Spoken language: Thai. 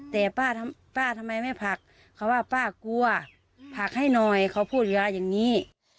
แต่ป้าทำไมไม่ผักเขาว่าป้ากลัวผักให้หน่อยเขาพูดอย่างนี้